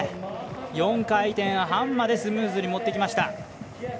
４回転半までスムーズに持ってきました。